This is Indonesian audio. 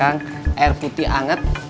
air putih anget